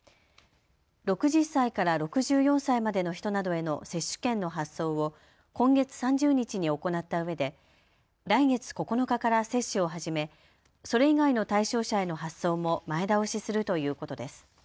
６０歳から６４歳までの人などへの接種券の発送を今月３０日に行ったうえで来月９日から接種を始めそれ以外の対象者への発送も前倒しするということです。